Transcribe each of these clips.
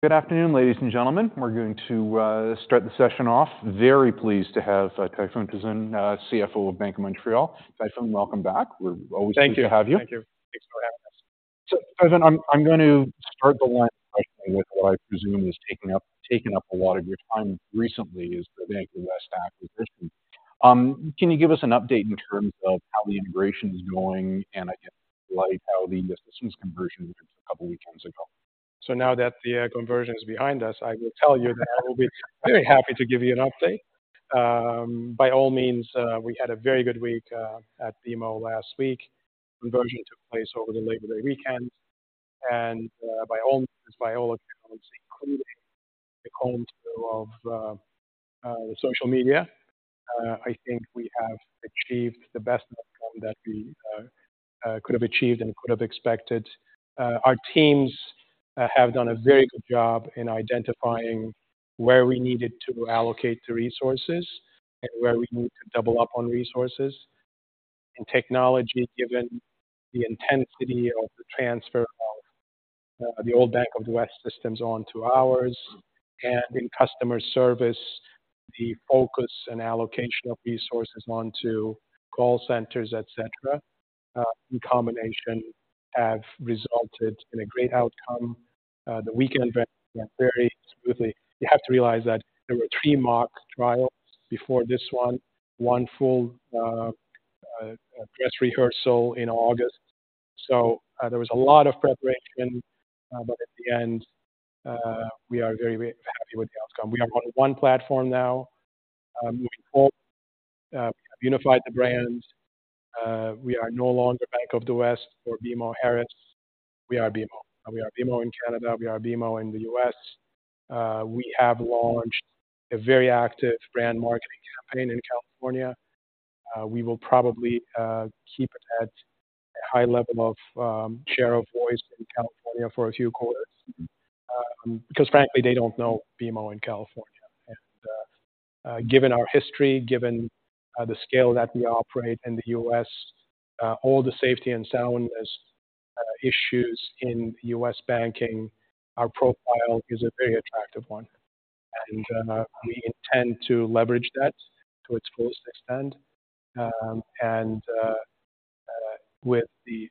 Good afternoon, ladies and gentlemen. We're going to start the session off. Very pleased to have Tayfun Tuzun, CFO of Bank of Montreal. Tayfun, welcome back. We're always pleased to have you. Thank you. Thanks for having us. So, Tayfun, I'm going to start the line with what I presume is taking up a lot of your time recently is the Bank of the West acquisition. Can you give us an update in terms of how the integration is going and, I guess, like, how the systems conversion went a couple of weekends ago? So now that the conversion is behind us, I will tell you that I will be very happy to give you an update. By all means, we had a very good week at BMO last week. Conversion took place over the Labor Day weekend, and by all means, by all accounts, including the comb through of social media, I think we have achieved the best outcome that we could have achieved and could have expected. Our teams have done a very good job in identifying where we needed to allocate the resources and where we need to double up on resources. In technology, given the intensity of the transfer of the old Bank of the West systems onto ours, and in customer service, the focus and allocation of resources onto call centers, et cetera, in combination, have resulted in a great outcome. The weekend went very smoothly. You have to realize that there were three mock trials before this one, one full-dress rehearsal in August. So, there was a lot of preparation, but at the end, we are very, very happy with the outcome. We are on one platform now. Moving forward, we have unified the brands. We are no longer Bank of the West or BMO Harris. We are BMO. We are BMO in Canada, we are BMO in the U.S. We have launched a very active brand marketing campaign in California. We will probably keep it at a high level of share of voice in California for a few quarters, because frankly, they don't know BMO in California. And given our history, given the scale that we operate in the U.S., all the safety and soundness issues in U.S. banking, our profile is a very attractive one, and we intend to leverage that to its fullest extent. And with the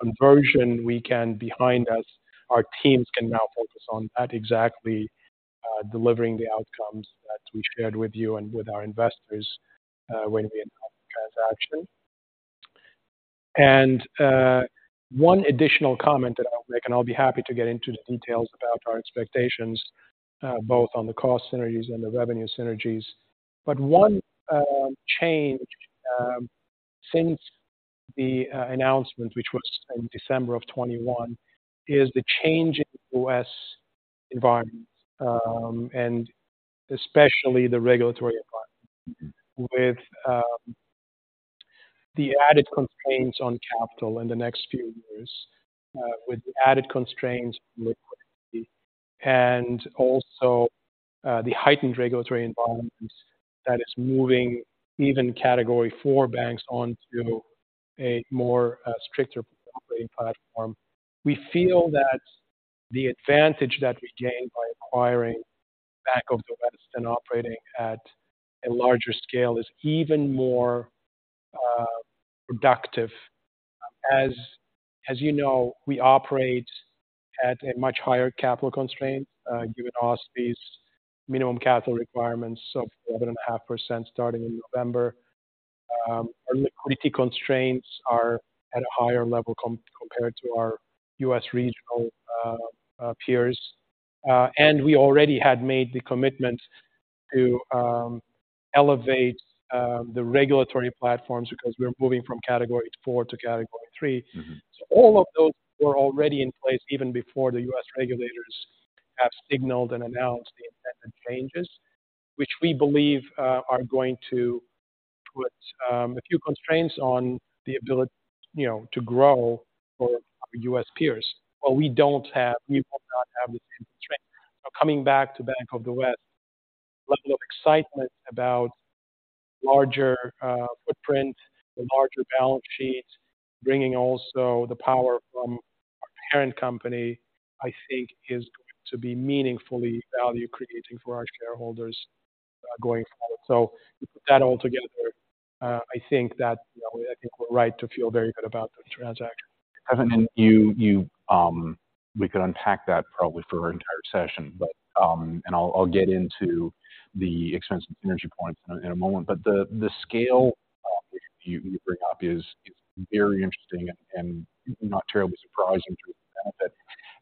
conversion behind us, our teams can now focus on exactly delivering the outcomes that we shared with you and with our investors when we announced the transaction. And one additional comment that I'll make, and I'll be happy to get into the details about our expectations both on the cost synergies and the revenue synergies. But one change since the announcement, which was in December of 2021, is the change in the U.S. environment and especially the regulatory environment. With the added constraints on capital in the next few years, with the added constraints on liquidity and also the heightened regulatory environment that is moving even Category IV banks onto a more stricter operating platform, we feel that the advantage that we gained by acquiring Bank of the West and operating at a larger scale is even more productive. As you know, we operate at a much higher capital constraint given OSFI's minimum capital requirements of 11.5% starting in November. Our liquidity constraints are at a higher level compared to our U.S. regional peers. We already had made the commitment to elevate the regulatory platforms because we're moving from Category IV to Category III. So all of those were already in place even before the U.S. regulators have signaled and announced the intended changes, which we believe are going to put a few constraints on the ability, you know, to grow for our U.S. peers. Well, we don't have—we will not have the same constraint. So coming back to Bank of the West, level of excitement about larger footprint, the larger balance sheet, bringing also the power from our parent company, I think is going to be meaningfully value creating for our shareholders, going forward. So with that all together, I think that, you know, I think we're right to feel very good about the transaction. Tayfun, and you, we could unpack that probably for our entire session, but, and I'll get into the expense synergy points in a moment. But the scale which you bring up is very interesting and not terribly surprising to benefit.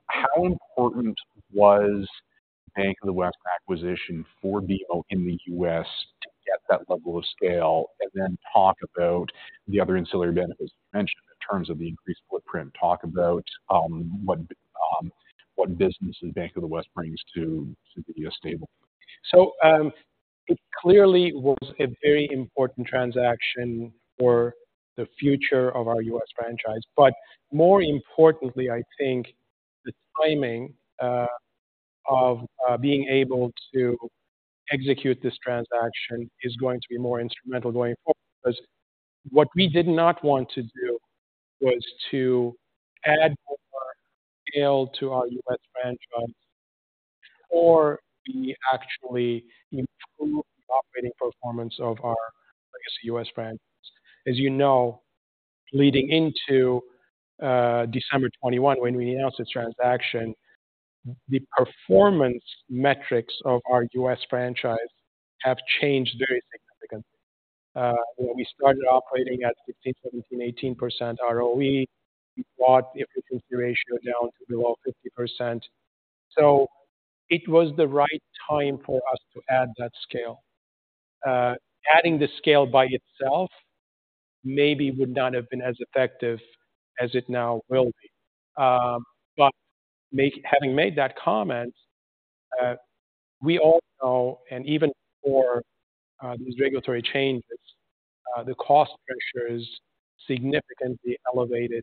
How important was Bank of the West acquisition for BMO in the U.S. to get that level of scale? And then talk about the other ancillary benefits you mentioned in terms of the increased footprint. Talk about what business the Bank of the West brings to the U.S. table. It clearly was a very important transaction for the future of our U.S. franchise. But more importantly, I think the timing of being able to execute this transaction is going to be more instrumental going forward. Because what we did not want to do was to add more scale to our U.S. franchise before we actually improve the operating performance of our legacy U.S. franchise. As you know, leading into December 2021, when we announced this transaction, the performance metrics of our U.S. franchise have changed very significantly. You know, we started operating at 15%, 17%, 18% ROE. We brought the efficiency ratio down to below 50%. So it was the right time for us to add that scale. Adding the scale by itself maybe would not have been as effective as it now will be. But having made that comment, we all know, and even before these regulatory changes, the cost pressures significantly elevated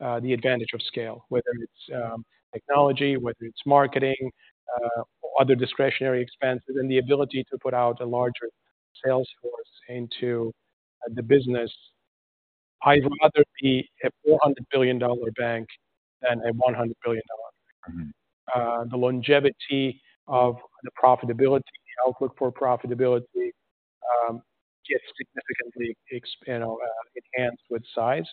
the advantage of scale. Whether it's technology, whether it's marketing, or other discretionary expenses, and the ability to put out a larger sales force into the business. I'd rather be a $400 billion bank than a $100 billion bank. The longevity of the profitability, the outlook for profitability, gets significantly, you know, enhanced with size.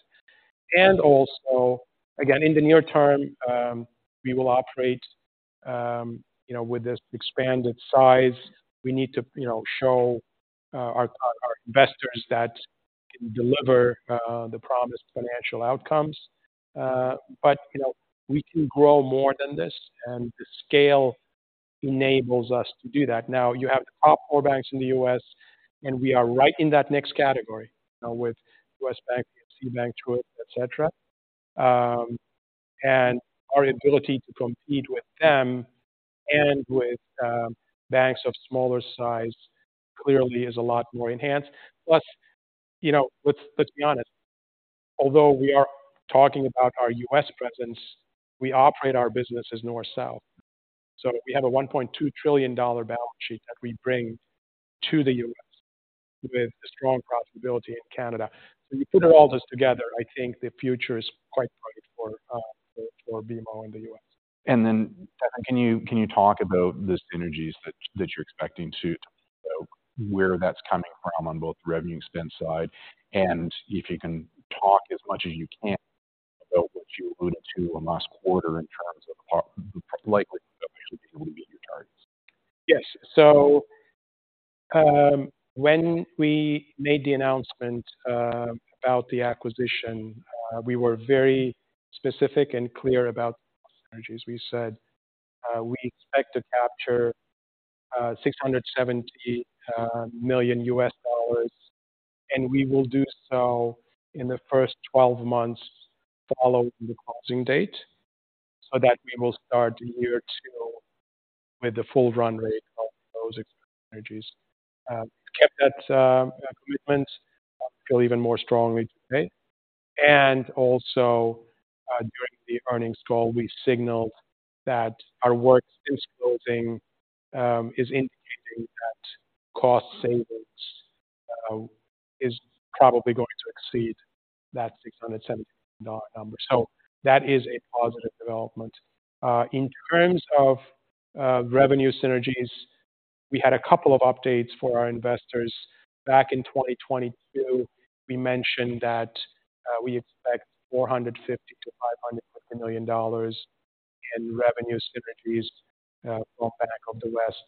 And also, again, in the near term, we will operate, you know, with this expanded size. We need to, you know, show our investors that we can deliver the promised financial outcomes. But you know, we can grow more than this, and the scale enables us to do that. Now, you have the top four banks in the U.S., and we are right in that next category with U.S. Bank, PNC Bank, Truist, et cetera. And our ability to compete with them and with banks of smaller size clearly is a lot more enhanced. Plus, you know, let's be honest, although we are talking about our U.S. presence, we operate our business as North South. So we have a 1.2 trillion dollar balance sheet that we bring to the U.S. with a strong profitability in Canada. So you put all this together, I think the future is quite bright for BMO in the U.S. And then, can you talk about the synergies that you're expecting, too? So where that's coming from on both the revenue expense side, and if you can talk as much as you can about what you alluded to on last quarter in terms of the likelihood that we should be able to meet your targets? Yes. So, when we made the announcement about the acquisition, we were very specific and clear about synergies. We said we expect to capture $670 million, and we will do so in the first 12 months following the closing date, so that we will start year two with the full run rate of those synergies. We have kept that commitment, feel even more strongly today. And also, during the earnings call, we signaled that our work since closing is indicating that cost savings is probably going to exceed that $670 million number. So that is a positive development. In terms of, revenue synergies, we had a couple of updates for our investors. Back in 2022, we mentioned that we expect $450 million-$500 million in revenue synergies from Bank of the West,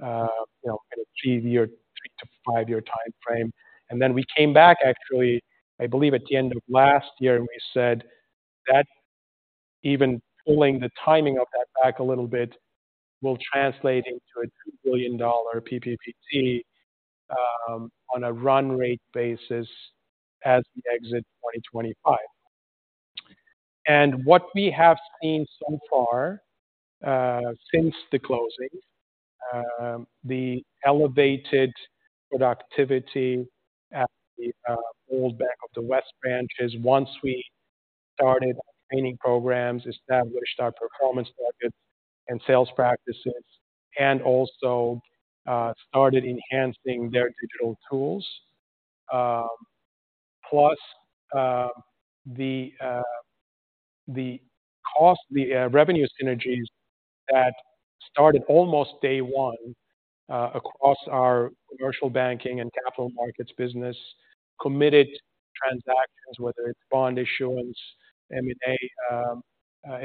you know, in a three-to-five-year timeframe. And then we came back, actually, I believe, at the end of last year, and we said that even pulling the timing of that back a little bit will translate into a $2 billion PP&T on a run rate basis as we exit 2025. And what we have seen so far, since the closing, the elevated productivity at the old Bank of the West branches. Once we started our training programs, established our performance targets and sales practices, and also started enhancing their digital tools. Plus, the revenue synergies that started almost day one across our commercial banking and capital markets business, committed transactions, whether it's bond issuance, M&A,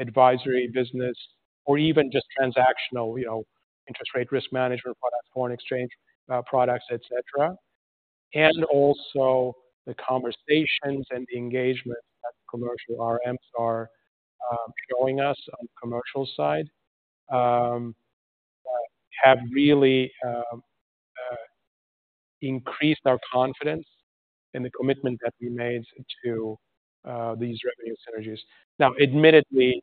advisory business, or even just transactional, you know, interest rate risk management products, foreign exchange products, et cetera. And also the conversations and the engagement that commercial RMs are showing us on the commercial side have really increased our confidence in the commitment that we made to these revenue synergies. Now, admittedly,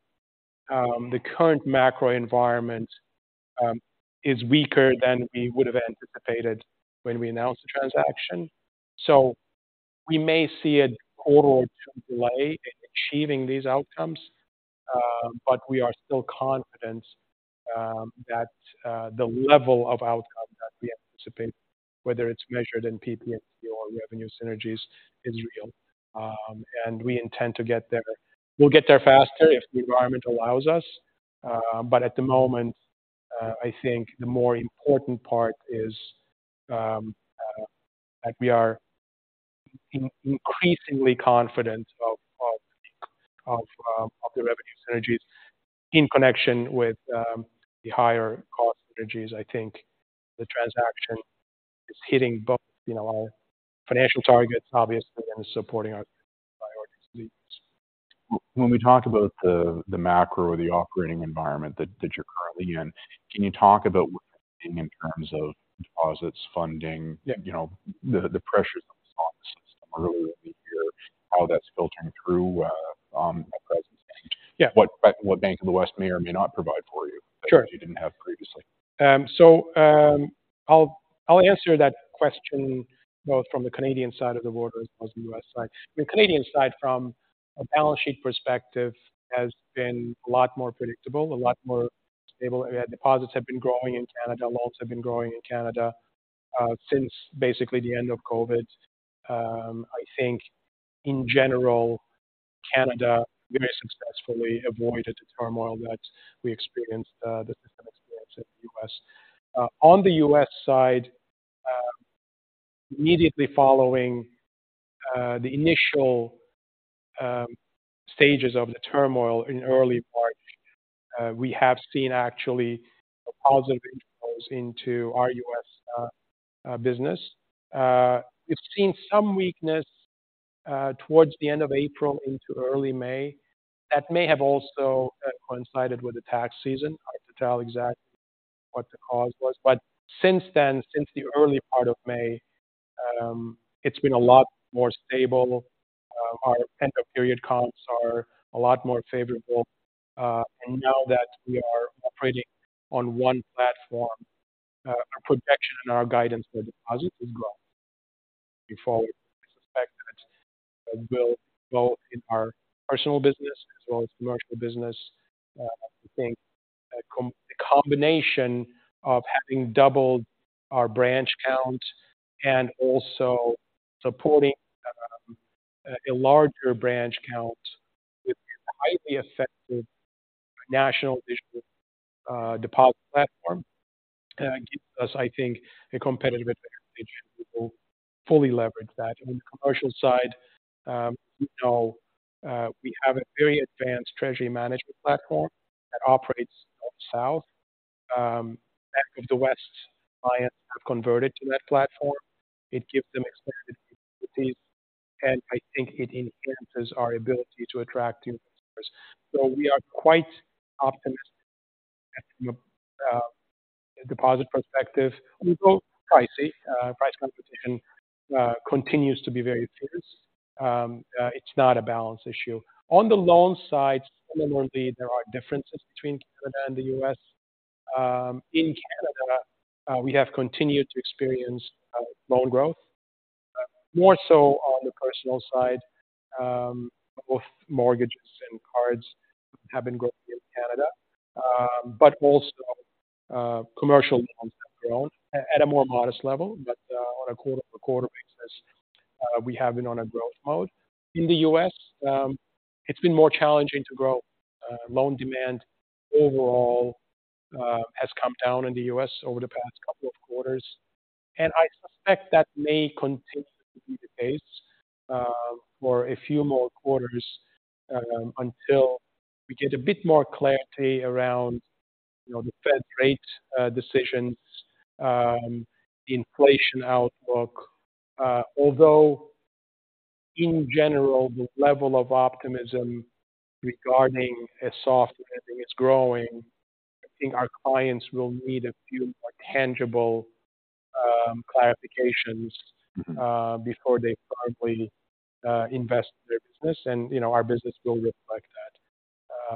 the current macro environment is weaker than we would have anticipated when we announced the transaction, so we may see a quarter or two delay in achieving these outcomes. But we are still confident that the level of outcome that we anticipate, whether it's measured in PP&T or revenue synergies, is real. And we intend to get there. We'll get there faster if the environment allows us, but at the moment, I think the more important part is that we are increasingly confident of the revenue synergies in connection with the higher cost synergies. I think the transaction is hitting both, you know, our financial targets, obviously, and supporting our priority needs. When we talk about the macro or the operating environment that you're currently in, can you talk about working in terms of deposits, funding, you know, the pressures on the system earlier in the year, how that's filtering through? Yeah. What Bank of the West may or may not provide for you that you didn't have previously? I'll answer that question both from the Canadian side of the border as well as the U.S. side. The Canadian side, from a balance sheet perspective, has been a lot more predictable, a lot more stable. Deposits have been growing in Canada, loans have been growing in Canada, since basically the end of COVID. I think in general, Canada very successfully avoided the turmoil that we experienced, the system experienced in the U.S. On the U.S. side, immediately following the initial stages of the turmoil in early March, we have seen actually positive into our U.S. business. We've seen some weakness towards the end of April into early May. That may have also coincided with the tax season. Hard to tell exactly what the cause was, but since then, since the early part of May, it's been a lot more stable. Our end-of-period counts are a lot more favorable, and now that we are operating on one platform, our projection and our guidance for deposits is growing. Before we suspect that it will both in our personal business as well as commercial business, I think the combination of having doubled our branch count and also supporting a larger branch count with a highly effective national digital deposit platform gives us, I think, a competitive advantage. We will fully leverage that. On the commercial side, you know, we have a very advanced treasury management platform that operates south. Bank of the West clients have converted to that platform. It gives them expanded capabilities, and I think it enhances our ability to attract new customers. So we are quite optimistic, from a deposit perspective. We're both pricey, price competition continues to be very fierce. It's not a balance issue. On the loan side, similarly, there are differences between Canada and the U.S. In Canada, we have continued to experience loan growth, more so on the personal side, both mortgages and cards have been growing in Canada, but also, commercial loans have grown at a more modest level. But, on a quarter-over-quarter basis, we have been on a growth mode. In the U.S., it's been more challenging to grow. Loan demand overall has come down in the U.S. over the past couple of quarters, and I suspect that may continue to be the case for a few more quarters until we get a bit more clarity around, you know, the Fed rate decisions, the inflation outlook. Although in general, the level of optimism regarding a soft landing is growing, I think our clients will need a few more tangible clarifications. Before they probably invest their business, and, you know, our business will reflect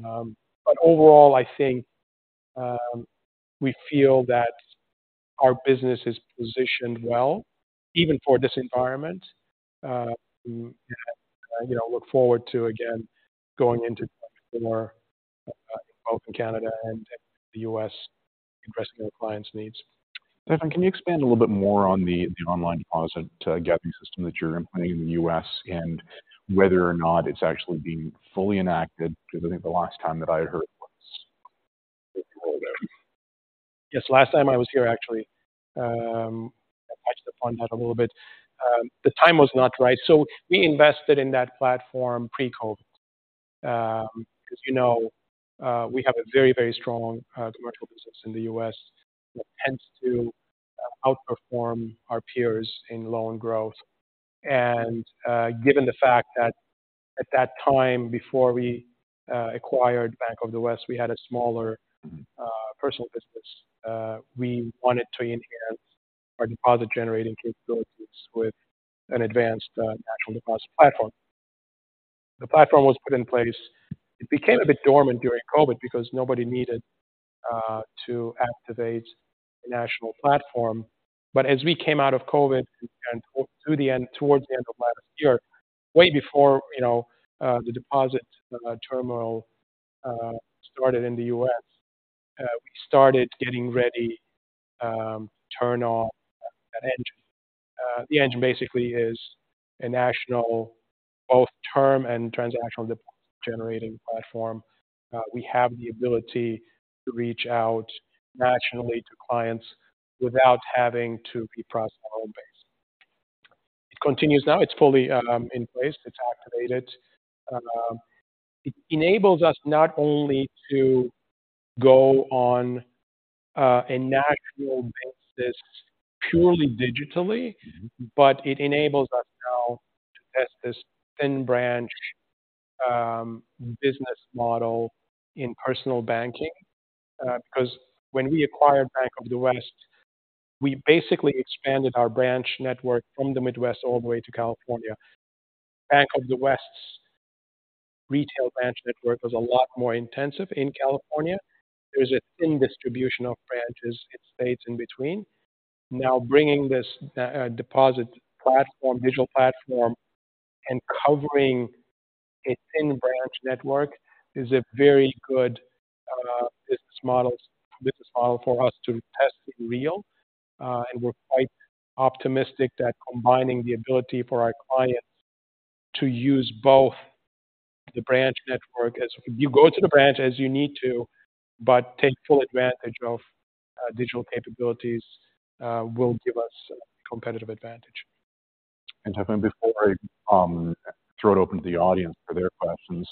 that. But overall, I think, we feel that our business is positioned well, even for this environment. You know, look forward to again, going into more, both in Canada and the U.S., addressing our clients' needs. Tayfun, can you expand a little bit more on the online deposit gathering system that you're implementing in the U.S. and whether or not it's actually being fully enacted? Because I think the last time that I had heard it wasn’t completely rolled out. Yes, last time I was here, actually, I touched upon that a little bit. The time was not right. So we invested in that platform pre-COVID. Because, you know, we have a very, very strong, commercial business in the U.S. that tends to outperform our peers in loan growth. And, given the fact that at that time, before we acquired Bank of the West, we had a smaller, personal business, we wanted to enhance our deposit-generating capabilities with an advanced, national deposit platform. The platform was put in place. It became a bit dormant during COVID because nobody needed to activate a national platform. As we came out of COVID and towards the end of last year, way before, you know, the deposit turmoil started in the U.S., we started getting ready to turn on an engine. The engine basically is a national, both term and transactional deposit-generating platform. We have the ability to reach out nationally to clients without having to reprocess our own base. It continues now. It's fully in place. It's activated. It enables us not only to go on a national basis purely digitally. But it enables us now to test this thin branch business model in personal banking. Because when we acquired Bank of the West, we basically expanded our branch network from the Midwest all the way to California. Bank of the West's retail branch network was a lot more intensive in California. There's a thin distribution of branches in states in between. Now, bringing this deposit platform, digital platform, and covering a thin branch network is a very good business model for us to test in real. And we're quite optimistic that combining the ability for our clients to use both the branch network as you go to the branch as you need to, but take full advantage of digital capabilities will give us a competitive advantage. Tayfun, before I throw it open to the audience for their questions,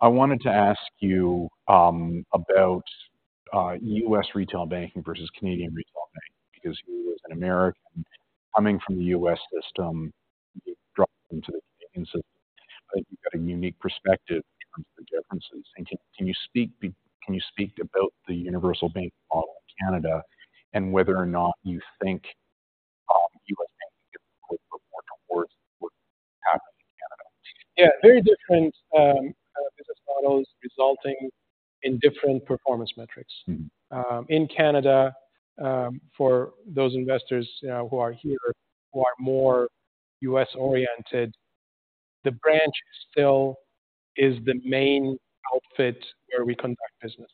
I wanted to ask you about U.S. retail banking versus Canadian retail banking, because you as an American, coming from the U.S. system, you dropped into the Canadian system. You've got a unique perspective in terms of the differences. Can you speak about the universal bank model in Canada and whether or not you think U.S. banking will move more towards what's happening in Canada? Yeah, very different business models resulting in different performance metrics. In Canada, for those investors who are here who are more U.S.-oriented, the branch still is the main outfit where we conduct business.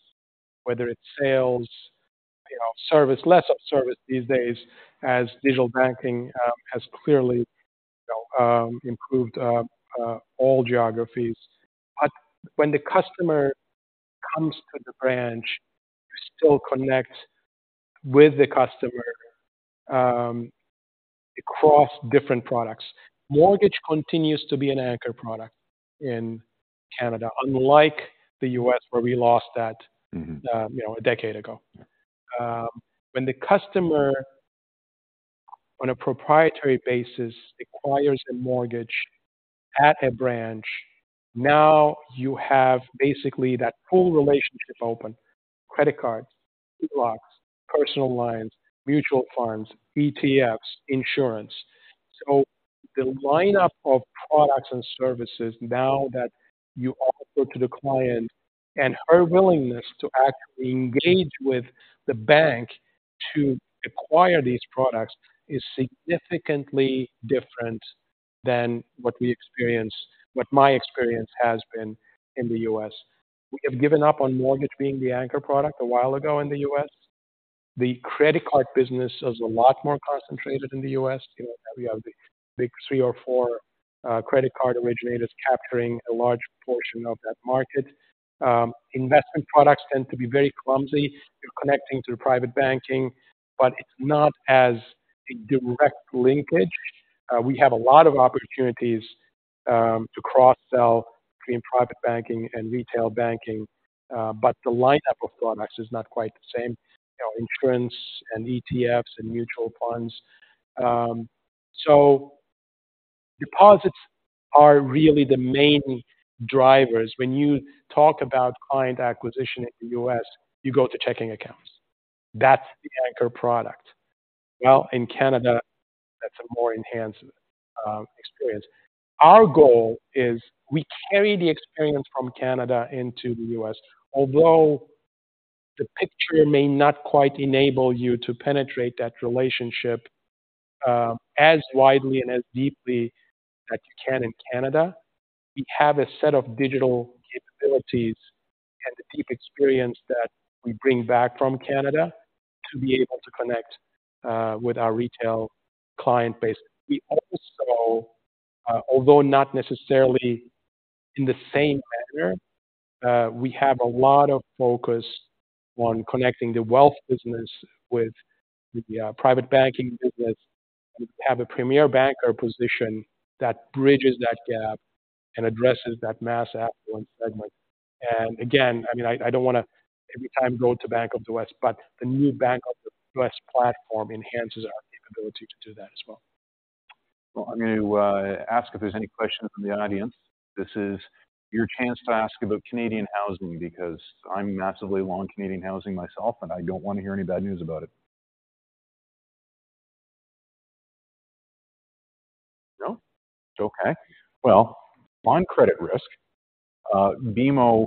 Whether it's sales, you know, service, less of service these days, as digital banking has clearly, you know, improved all geographies. But when the customer comes to the branch, you still connect with the customer across different products. Mortgage continues to be an anchor product in Canada, unlike the U.S., where we lost that, you know, a decade ago. When the customer, on a proprietary basis, acquires a mortgage at a branch, now you have basically that full relationship open, credit cards, HELOCs, personal lines, mutual funds, ETFs, insurance. So the lineup of products and services now that you offer to the client and her willingness to actually engage with the bank to acquire these products, is significantly different than what we experienced - what my experience has been in the U.S. We have given up on mortgage being the anchor product a while ago in the U.S. The credit card business is a lot more concentrated in the U.S. You know, we have the big three or four credit card originators capturing a large portion of that market. Investment products tend to be very clumsy. You're connecting to private banking, but it's not as a direct linkage. We have a lot of opportunities to cross-sell between private banking and retail banking, but the lineup of products is not quite the same, you know, insurance and ETFs and mutual funds. So deposits are really the main drivers. When you talk about client acquisition in the U.S., you go to checking accounts. That's the anchor product. Well, in Canada, that's a more enhanced experience. Our goal is we carry the experience from Canada into the U.S. Although the picture may not quite enable you to penetrate that relationship as widely and as deeply as you can in Canada, we have a set of digital capabilities and the deep experience that we bring back from Canada to be able to connect with our retail client base. We also, although not necessarily in the same manner, we have a lot of focus on connecting the wealth business with the private banking business. We have a premier banker position that bridges that gap and addresses that mass affluent segment. And again, I mean, I don't wanna every time go to Bank of the West, but the new Bank of the West platform enhances our capability to do that as well. Well, I'm going to ask if there's any questions from the audience. This is your chance to ask about Canadian housing, because I'm massively long Canadian housing myself, and I don't want to hear any bad news about it. Okay. Well, on credit risk, BMO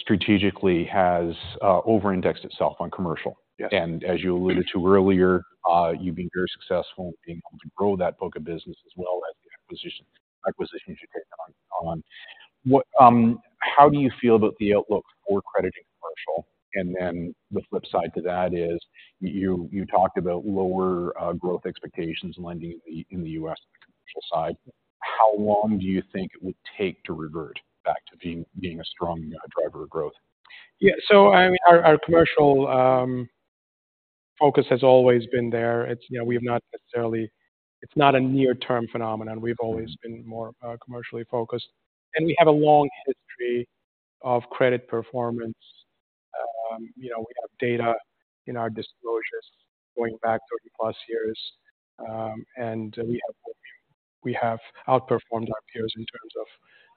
strategically has over-indexed itself on commercial. Yes. And as you alluded to earlier, you've been very successful in being able to grow that book of business as well as the acquisitions you've taken on. How do you feel about the outlook for credit in commercial? And then the flip side to that is you talked about lower growth expectations in lending in the U.S. on the commercial side. How long do you think it would take to revert back to being a strong driver of growth? Yeah. So, I mean, our commercial focus has always been there. It's, you know, we have not necessarily... It's not a near-term phenomenon. We've always been more commercially focused, and we have a long history of credit performance. You know, we have data in our disclosures going back 30+ years. And we have outperformed our peers in terms of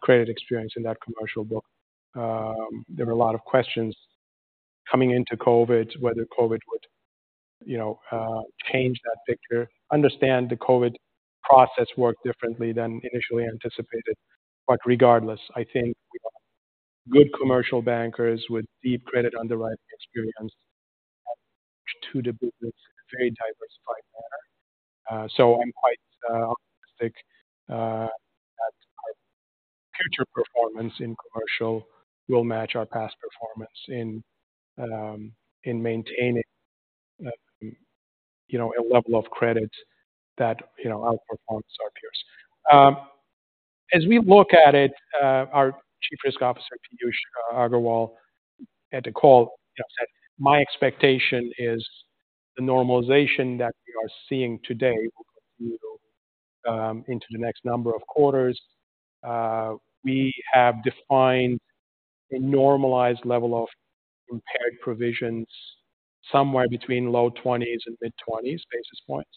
credit experience in that commercial book. There were a lot of questions coming into COVID, whether COVID would, you know, change that picture. Understand the COVID process worked differently than initially anticipated, but regardless, I think we are good commercial bankers with deep credit underwriting experience to the business in a very diversified manner. So I'm quite optimistic that our future performance in commercial will match our past performance in maintaining you know a level of credit that you know outperforms our peers. As we look at it, our Chief Risk Officer, Piyush Agrawal, at the call, you know, said, "My expectation is the normalization that we are seeing today will continue into the next number of quarters." We have defined a normalized level of impaired provisions somewhere between low-20s and mid-20s basis points.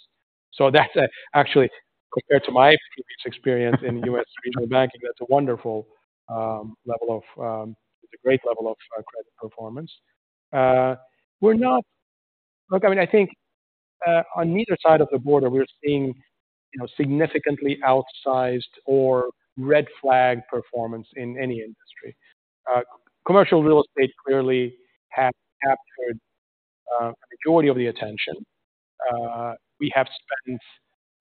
So that's actually, compared to my previous experience in U.S. regional banking, that's a wonderful level of... It's a great level of credit performance. Look, I mean, I think on either side of the border, we're seeing, you know, significantly outsized or red flag performance in any industry. Commercial real estate clearly has captured the majority of the attention. We have spent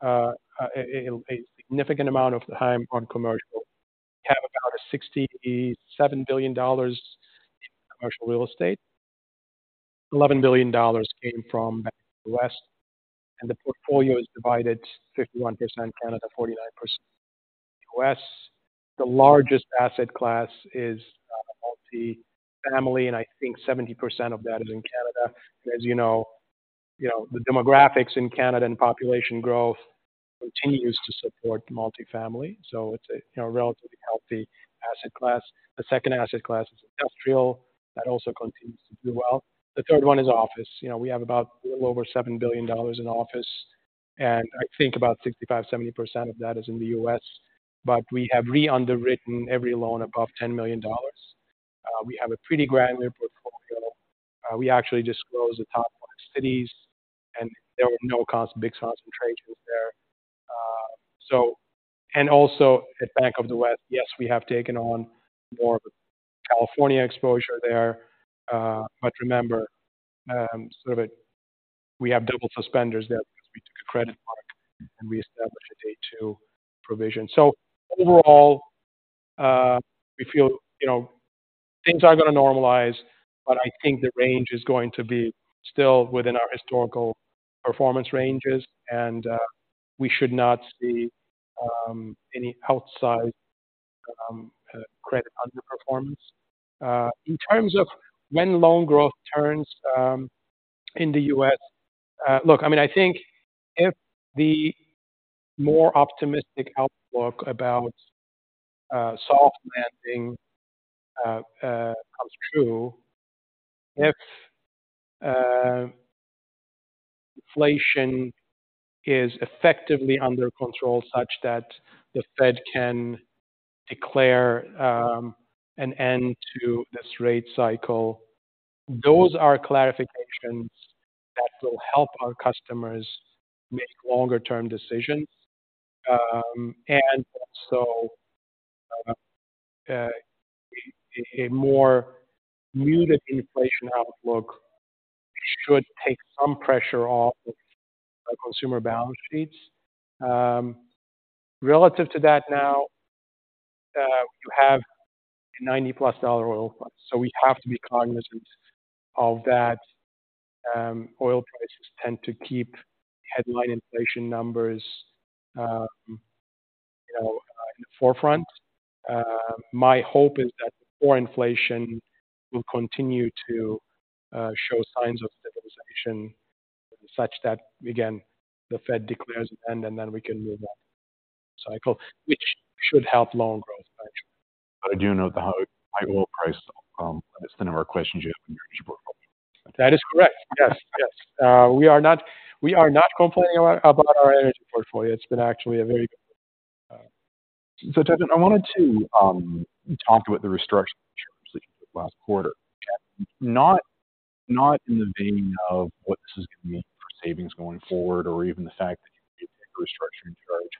a significant amount of time on commercial. We have about 67 billion dollars in commercial real estate. 11 billion dollars came from West, and the portfolio is divided 51% Canada, 49% U.S. The largest asset class is multifamily, and I think 70% of that is in Canada. As you know, you know, the demographics in Canada and population growth continues to support multifamily, so it's a relatively healthy asset class. The second asset class is industrial. That also continues to do well. The third one is office. You know, we have about a little over 7 billion dollars in office, and I think about 65-70% of that is in the U.S. But we have re-underwritten every loan above 10 million dollars. We have a pretty granular portfolio. We actually disclose the top five cities, and there were no big concentrations there. Also at Bank of the West, yes, we have taken on more California exposure there, but remember, we have double suspenders there because we took a credit mark, and we established a day two provision. So overall, we feel, you know, things are gonna normalize, but I think the range is going to be still within our historical performance ranges, and we should not see any outsized credit underperformance. In terms of when loan growth turns, in the U.S., look, I mean, I think if the more optimistic outlook about, soft landing, comes true, if, inflation is effectively under control such that the Fed can declare, an end to this rate cycle, those are clarifications that will help our customers make longer-term decisions. And so, a more muted inflation outlook should take some pressure off the consumer balance sheets. Relative to that now, you have a $90+ oil price, so we have to be cognizant of that. Oil prices tend to keep headline inflation numbers, you know, in the forefront. My hope is that core inflation will continue to show signs of stabilization, such that, again, the Fed declares an end, and then we can move on cycle, which should help loan growth eventually. I do know the high oil price limits the number of questions you have in your energy portfolio. That is correct. Yes, yes. Wee are not complaining about our energy portfolio. It's been actually a very good. So Tayfun, I wanted to talk about the restructuring position last quarter. Not in the vein of what this is going to mean for savings going forward, or even the fact that you take a restructuring charge.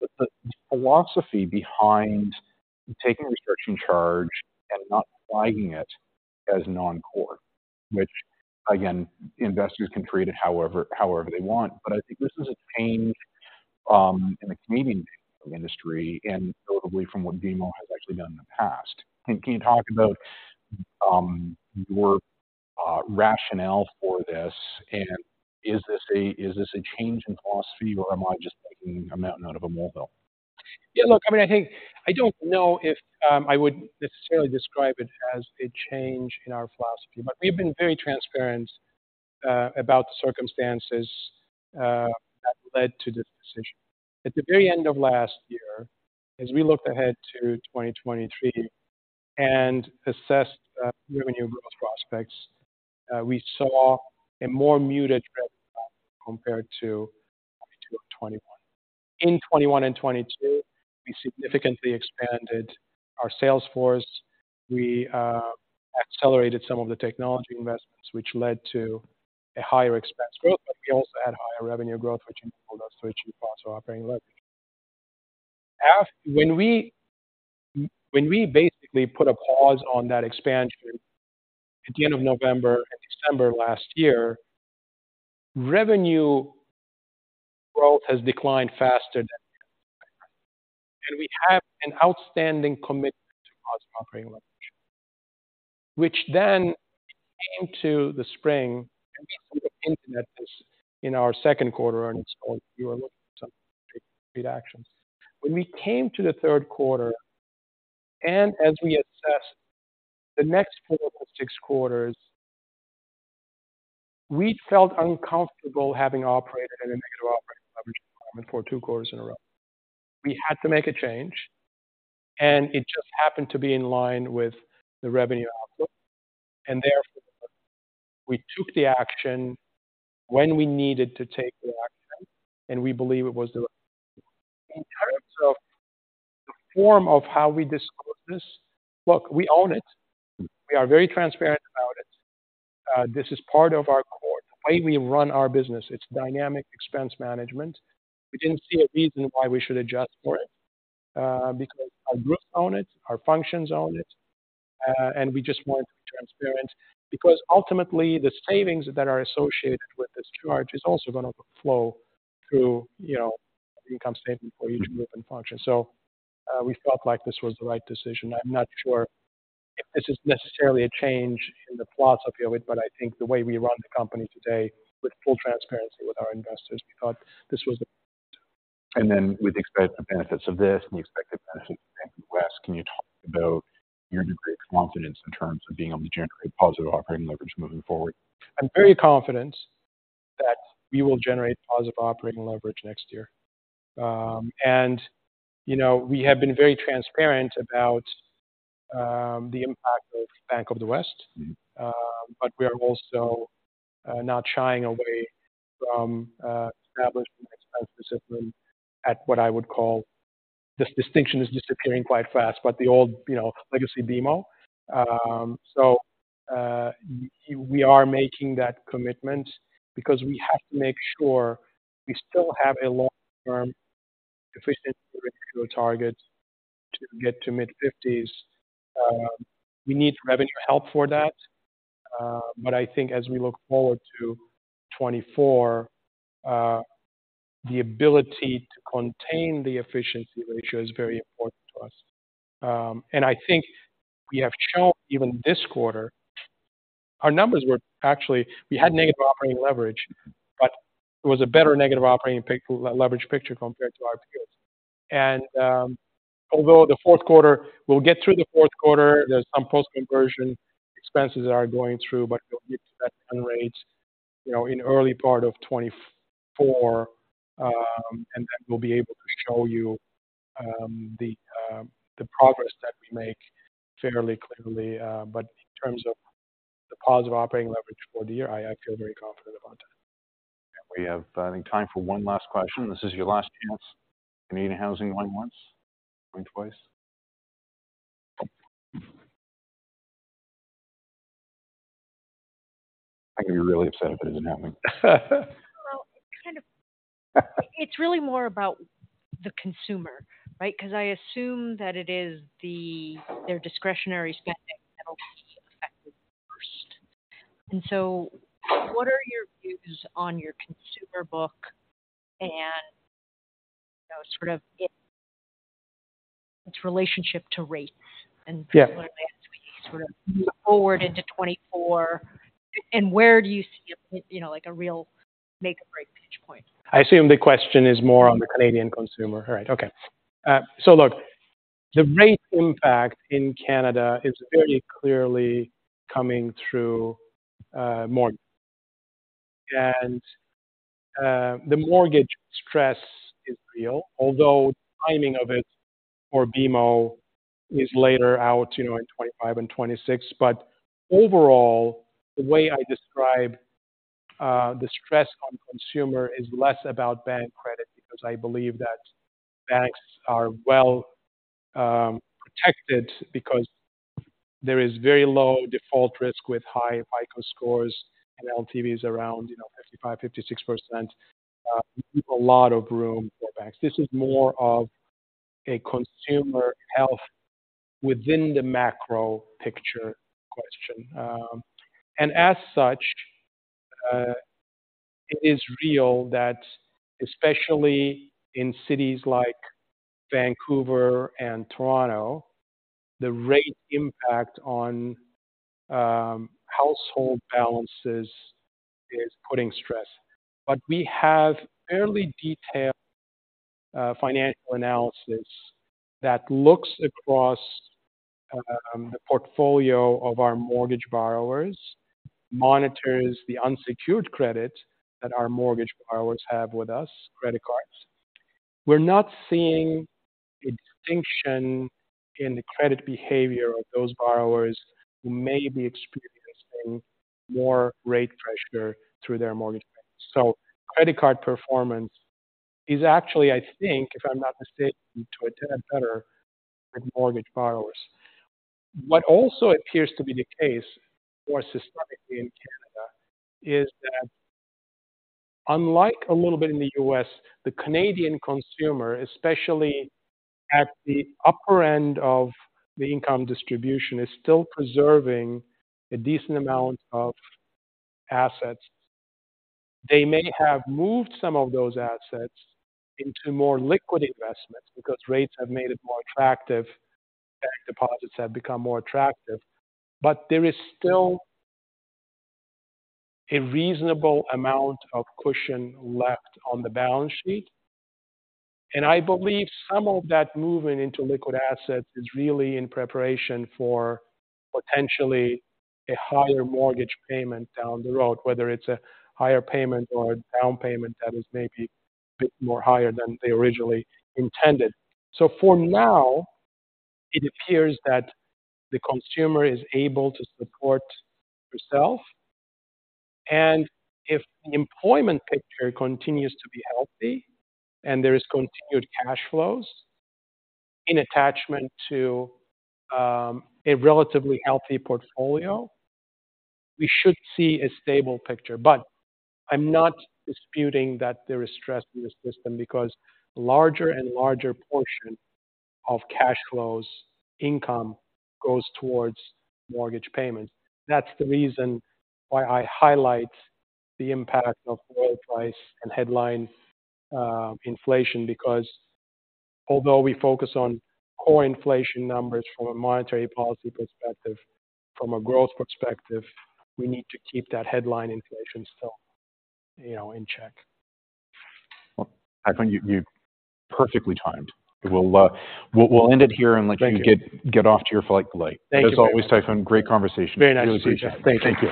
But the philosophy behind taking a restructuring charge and not flagging it as non-core, which again, investors can treat it however they want. But I think this is a change in the Canadian industry, and notably from what BMO has actually done in the past. Can you talk about your rationale for this? And is this a change in philosophy, or am I just making a mountain out of a molehill? Yeah, look, I mean, I think I don't know if I would necessarily describe it as a change in our philosophy, but we've been very transparent about the circumstances that led to this decision. At the very end of last year, as we looked ahead to 2023 and assessed revenue growth prospects, we saw a more muted trend compared to 2021. In 2021 and 2022, we significantly expanded our sales force. We accelerated some of the technology investments, which led to a higher expense growth, but we also had higher revenue growth, which enabled us to achieve positive operating leverage. When we basically put a pause on that expansion at the end of November and December last year, revenue growth has declined faster than... And we have an outstanding commitment to positive operating leverage, which then came to the spring, and we hinted at this in our second quarter earnings call. We were looking at some actions. When we came to the third quarter, and as we assessed the next four to six quarters, we felt uncomfortable having operated at a negative operating leverage for two quarters in a row. We had to make a change, and it just happened to be in line with the revenue outlook, and therefore, we took the action when we needed to take the action, and we believe it was the right time. So the form of how we disclose this, look, we own it. We are very transparent about it. This is part of our core, the way we run our business. It's dynamic expense management. We didn't see a reason why we should adjust for it, because our groups own it, our functions own it, and we just wanted to be transparent. Because ultimately, the savings that are associated with this charge is also going to flow through, you know, the income statement for each group and function. So, we felt like this was the right decision. I'm not sure if this is necessarily a change in the philosophy of it, but I think the way we run the company today, with full transparency with our investors, we thought this was the best. And then with the expected benefits of this and the expected benefits of West, can you talk about your degree of confidence in terms of being able to generate positive operating leverage moving forward? I'm very confident that we will generate positive operating leverage next year. And, you know, we have been very transparent about the impact of Bank of the West. But we are also not shying away from establishing expense discipline at what I would call. This distinction is disappearing quite fast, but the old, you know, legacy BMO. So, we are making that commitment because we have to make sure we still have a long-term efficiency ratio target to get to mid-50s. We need revenue help for that, but I think as we look forward to 2024, the ability to contain the efficiency ratio is very important to us. And I think we have shown even this quarter, our numbers were actually, we had negative operating leverage, but it was a better negative operating leverage picture compared to our peers. Although the fourth quarter, we'll get through the fourth quarter, there's some post-conversion expenses that are going through, but we'll get to that run rate, you know, in early part of 2024. Then we'll be able to show you the progress that we make fairly clearly. But in terms of the positive operating leverage for the year, I feel very confident about that. We have, I think, time for one last question. This is your last chance. Canadian Housing, going once, going twice. I'm going to be really upset if it doesn't happen. Well, it's really more about the consumer, right? Because I assume that it is their discretionary spending that will be affected first. And so what are your views on your consumer book and, you know, sort of its relationship to rates-And similarly as we sort of move forward into 2024, and where do you see a, you know, like a real make or break pitch point? I assume the question is more on the Canadian consumer. All right. Okay. So look, the rate impact in Canada is very clearly coming through, mortgage. And, the mortgage stress is real, although the timing of it for BMO is later out, you know, in 2025 and 2026. But overall, the way I describe... the stress on consumer is less about bank credit, because I believe that banks are well protected because there is very low default risk with high FICO scores, and LTV is around, you know, 55%-56%. We leave a lot of room for banks. This is more of a consumer health within the macro picture question. And as such, it is real that especially in cities like Vancouver and Toronto, the rate impact on, household balances is putting stress. But we have fairly detailed financial analysis that looks across the portfolio of our mortgage borrowers, monitors the unsecured credit that our mortgage borrowers have with us, credit cards. We're not seeing a distinction in the credit behavior of those borrowers who may be experiencing more rate pressure through their mortgage payments. So credit card performance is actually, I think, if I'm not mistaken, to a better than mortgage borrowers. What also appears to be the case, more systemically in Canada, is that unlike a little bit in the US, the Canadian consumer, especially at the upper end of the income distribution, is still preserving a decent amount of assets. They may have moved some of those assets into more liquid investments because rates have made it more attractive. Bank deposits have become more attractive, but there is still a reasonable amount of cushion left on the balance sheet. And I believe some of that movement into liquid assets is really in preparation for potentially a higher mortgage payment down the road, whether it's a higher payment or a down payment that is maybe a bit more higher than they originally intended. So for now, it appears that the consumer is able to support herself, and if the employment picture continues to be healthy and there is continued cash flows in attachment to a relatively healthy portfolio, we should see a stable picture. But I'm not disputing that there is stress in the system because larger and larger portion of cash flows, income goes towards mortgage payments. That's the reason why I highlight the impact of oil price and headline inflation, because although we focus on core inflation numbers from a monetary policy perspective, from a growth perspective, we need to keep that headline inflation still, you know, in check. Well, I think you're perfectly timed. We'll end it here and let you get off to your flight delay. Thank you. As always, Tayfun, great conversation. Very nice to see you. Thank you.